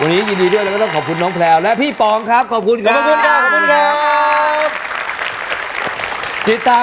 วันนี้ยินดีด้วยแล้วก็ต้องขอบคุณน้องแพรวและพี่ปองครับขอบคุณครับ